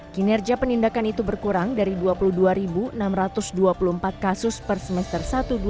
kinerja penindakan itu berkurang dari dua puluh dua enam ratus dua puluh empat kasus per semester satu dua ribu dua puluh